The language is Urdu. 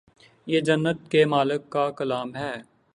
یہ جنت کے مالک کا کلام ہے